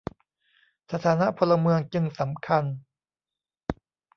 สถานะพลเมืองจึงสำคัญ